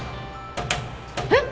えっ！？